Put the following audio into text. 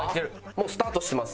もうスタートしてます